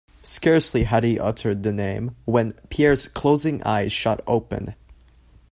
Scarcely had he uttered the name when Pierre's closing eyes shot open.